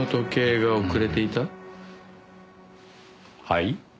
はい？